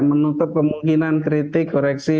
menutup kemungkinan kritik koreksi